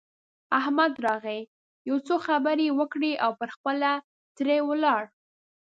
احمد راغی؛ يو څو خبرې يې وکړې او پر خپله تړه ولاړ.